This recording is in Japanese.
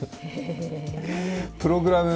プログラム